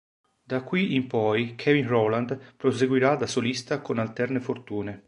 Da qui in poi Kevin Rowland proseguirà da solista con alterne fortune.